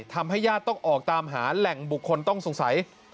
ญาติต้องออกตามหาแหล่งบุคคลต้องสงสัย